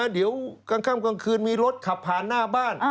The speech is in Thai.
เดี๋ยวกลางค่ำกลางคืนมีรถขับผ่านหน้าบ้าน